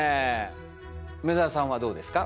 梅澤さんはどうですか？